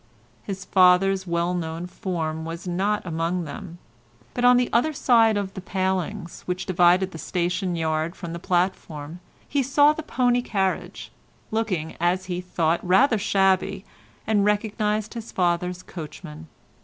His father's well known form was not among them, but on the other side of the palings which divided the station yard from the platform, he saw the pony carriage, looking, as he thought, rather shabby, and recognised his father's coachman.